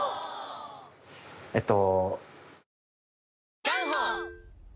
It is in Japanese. えっと。